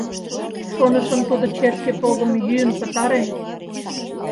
Шонышым, тудо черке погым йӱын пытарен.